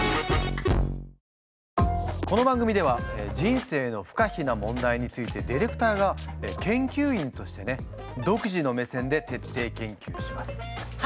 この番組では人生の不可避な問題についてディレクターが研究員として独自の目線で徹底研究します。